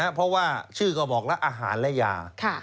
เพราะว่าชื่อก็บอกแล้วอาหารและยา